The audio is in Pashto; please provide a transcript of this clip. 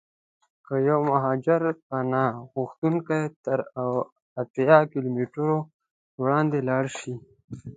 که یو مهاجر پناه غوښتونکی تر اتیا کیلومترو وړاندې ولاړشي.